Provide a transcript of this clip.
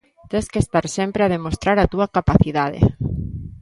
Tes que estar sempre a demostrar a túa capacidade.